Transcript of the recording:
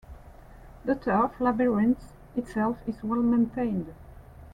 The turf labyrinth itself is well-maintained.